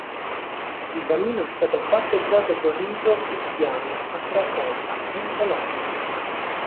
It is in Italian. Il bambino è stato battezzato con rito cristiano a Cracovia, in Polonia.